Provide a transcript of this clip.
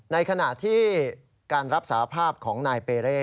ในขณะที่การรับสาภาพของนายเปเร่